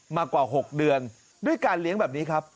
มากว่า๖เดือนด้วยการเลี้ยงแบบนี้ครับ